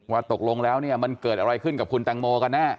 ตกลงแล้วเนี่ยมันเกิดอะไรขึ้นกับคุณแตงโมกันแน่